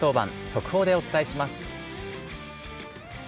速報でお伝えします。